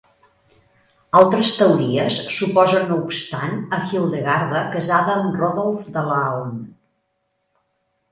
Altres teories suposen no obstant a Hildegarda casada amb Rodolf de Laon.